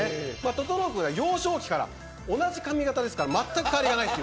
整君は幼少期から同じ髪形ですからまったく変わりがない。